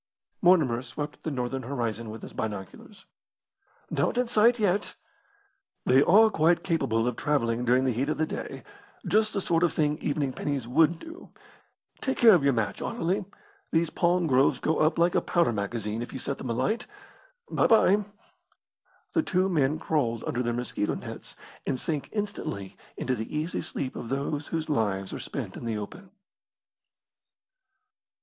Mortimer swept the northern horizon with his binoculars. "Not in sight yet." "They are quite capable of travelling during the heat of the day. Just the sort of thing evening pennies would do. Take care of your match, Anerley. These palm groves go up like a powder magazine if you set them alight. Bye bye." The two men crawled under their mosquito nets and sank instantly into the easy sleep of those whose lives are spent in the open.